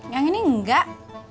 yang ini enggak